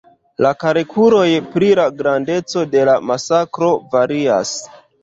La kalkuloj pri la grandeco de la masakro varias.